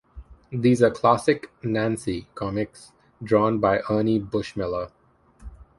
These are classic "Nancy" comics drawn by Ernie Bushmiller.